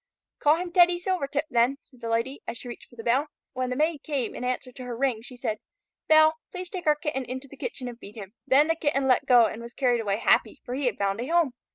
"Call him Teddy Silvertip then," said the Lady, as she reached for the bell. When the Maid came in answer to her ring, she said, "Belle, please take our Kitten into the kitchen and feed him." Then the Kitten let go and was carried away happy, for he had found a home.